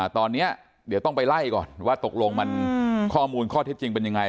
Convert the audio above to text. ตอนนี้เดี๋ยวต้องไปไล่ก่อนว่าตกลงมันข้อมูลข้อเท็จจริงเป็นยังไง